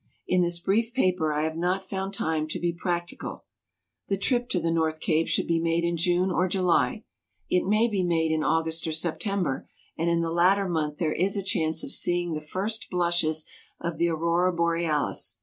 In this brief paper I have not found time to be practical. The trip to the North Cape should be made in June or July ; it may be made in August or September, and in the latter month there is a chance of seeing the first blushes of the Aurora Borealis.